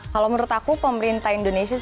kalau menurut aku pemerintah indonesia